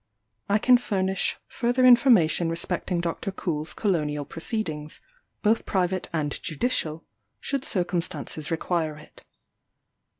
I can furnish further information respecting Dr. Coull's colonial proceedings, both private and judicial, should circumstances require it."